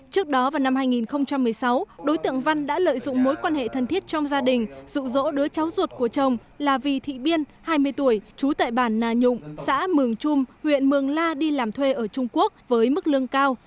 trước đó vào năm hai nghìn một mươi sáu đối tượng văn đã lợi dụng mối quan hệ thân thiết trong gia đình dụ dỗ đứa cháu ruột của chồng là vì thị biên hai mươi tuổi trú tại bản nà nhũng xã mường trung huyện mường la đi làm thuê ở trung quốc với mức lương cao